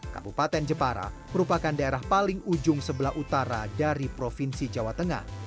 kabupaten jepara merupakan daerah paling ujung sebelah utara dari provinsi jawa tengah